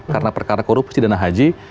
karena perkara korupsi dan haji